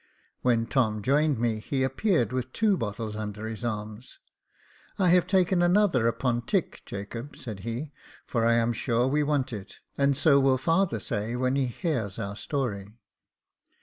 When Tom joined me, he appeared with two bottles under his arms. " I have taken another upon tick, Jacob," said he, " for I'm sure we want it, and so will father say, when he hears our story."